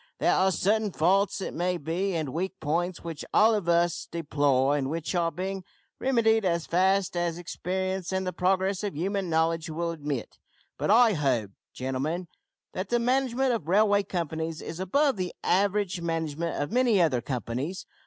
There are certain faults, it may be, and weak points, which all of us deplore, and which are being remedied as fast as experience and the progress of human knowledge will admit, but I hold, gentlemen, that the management of railway companies is above the average management of many other companies.